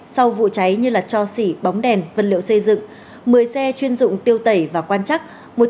sau vụ cháy như cho xỉ bóng đèn vật liệu xây dựng một mươi xe chuyên dụng tiêu tẩy và quan chắc